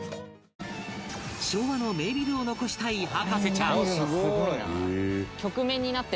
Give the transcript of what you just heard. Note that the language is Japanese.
昭和の名ビルを残したい博士ちゃん